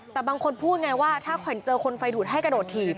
แต่บางคนพูดไงว่าถ้าขวัญเจอคนไฟดูดให้กระโดดถีบ